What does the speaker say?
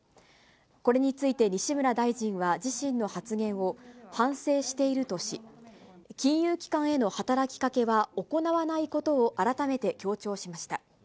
これについて西村大臣は、自身の発言を反省しているとし、金融機関への働きかけは行わないことを改めて強調しました。